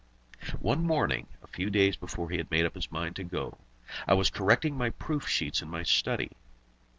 One morning, a few days before he had made up his mind to go, I was correcting my proof sheets in my study.